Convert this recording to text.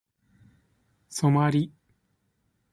ソマリ